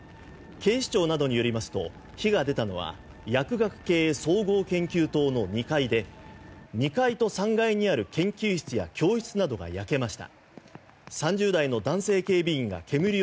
警視庁などによりますと火が出たのは薬学系総合研究棟の２階で２階と３階にある研究室や教室などが焼けました。